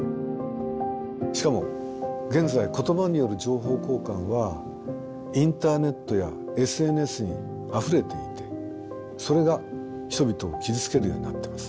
しかも現在言葉による情報交換はインターネットやＳＮＳにあふれていてそれが人々を傷つけるようになってます。